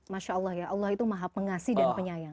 masya allah ya allah itu maha pengasih dan penyayang